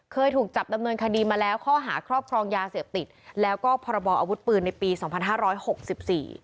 เคยถูกจับดำเนินคดีมาแล้วข้อหาครอบครองยาเสพติดแล้วก็พรบออาวุธปืนในปีสองพันห้าร้อยหกสิบสี่